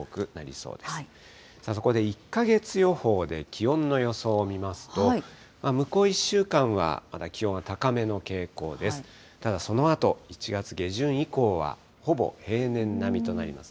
そこで１か月予報で気温の予想を見ますと、向こう１週間はまだ気温は高めの傾向です。